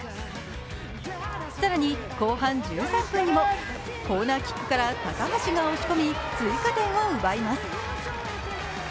更に、後半１３分にもコーナーキックから高橋が押し込み、追加点を奪います。